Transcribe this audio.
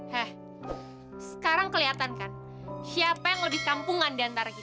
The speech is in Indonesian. he sekarang kelihatan kan siapa yang lebih kampungan diantara kita